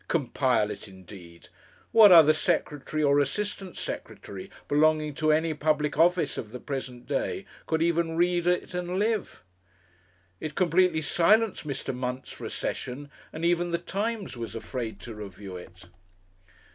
Compile it indeed! What other secretary or assistant secretary belonging to any public office of the present day, could even read it and live? It completely silenced Mr. Muntz for a session, and even The Times was afraid to review it.